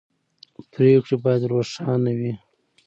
پرېکړې باید روښانه وي